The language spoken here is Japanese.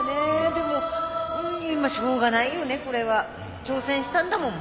でもうんしょうがないよねこれは。挑戦したんだもん。